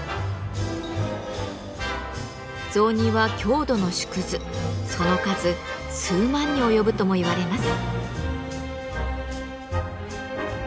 雑煮はその数数万に及ぶともいわれます。